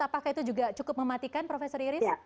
apakah itu juga cukup mematikan profesor iris